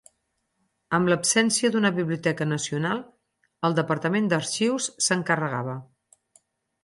Amb l'absència d'una biblioteca nacional, el Departament d'Arxius s'encarregava.